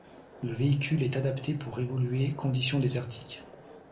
Le véhicule est adapté pour évoluer conditions désertiques.